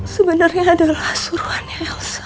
sebenarnya adalah suruhannya elsa